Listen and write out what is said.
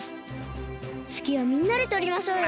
つぎはみんなでとりましょうよ。